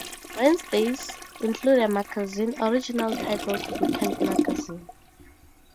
Wednesdays include a magazine, originally titled Weekend Magazine.